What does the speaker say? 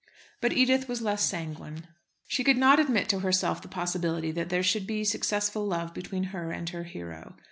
But Edith was less sanguine. She could not admit to herself the possibility that there should be successful love between her and her hero.